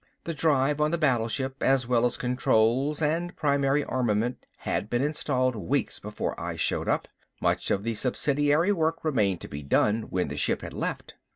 The drive on the battleship, as well as controls and primary armament had been installed weeks before I showed up. Much of the subsidiary work remained to be done when the ship had left.